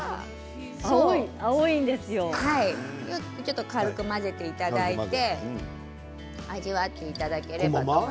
ちょっと軽く混ぜていただいて味わっていただければ。